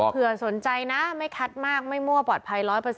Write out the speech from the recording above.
สนใจนะไม่คัดมากไม่มั่วปลอดภัย๑๐๐